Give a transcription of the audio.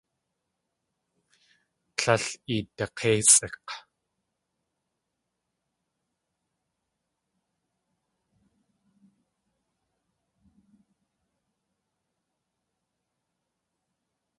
Líl idak̲éisʼik̲!